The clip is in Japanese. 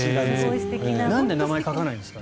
なんで名前書かないんですか？